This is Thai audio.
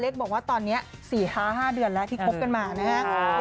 อเล็กซ์บอกว่าตอนนี้๔๕เดือนแล้วที่คบกันมานะฮะ